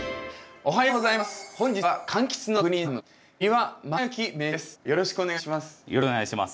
おはようございます。